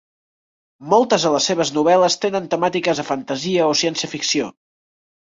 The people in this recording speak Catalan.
Moltes de les seves novel·les tenen temàtiques de fantasia o ciència-ficció.